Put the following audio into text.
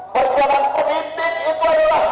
perjuangan politik itu adalah